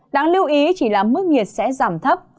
đáng lưu ý chỉ là mức nhiệt sẽ giảm thấp